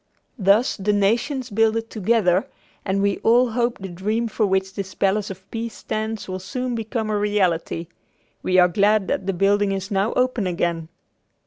Thus the nations builded together and we all hope the dream for which this Palace of Peace stands will soon become a reality. We are glad that the building is now open again.